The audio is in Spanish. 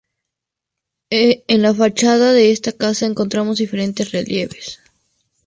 En la fachada de esta casa encontramos diferentes relieves.